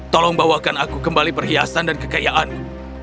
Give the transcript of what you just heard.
tolong bawakan aku kembali perhiasan dan kekayaanku